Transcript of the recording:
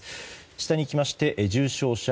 下にいきまして重症者